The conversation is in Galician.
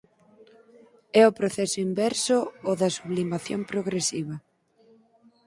É o proceso inverso ó da sublimación progresiva.